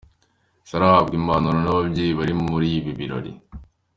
Sarah ahabwa impanuro n'ababyeyi bari muri ibi birori.